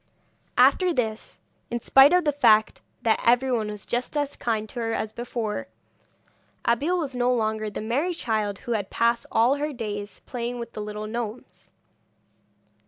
After this, in spite of the fact that everyone was just as kind to her as before, Abeille was no longer the merry child who passed all her days playing with the little gnomes.